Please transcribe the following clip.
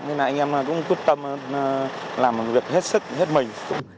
nên là anh em cũng tốt tâm làm việc hết sức hết mình